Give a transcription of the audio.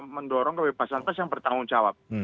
mendorong kebebasan pers yang bertanggung jawab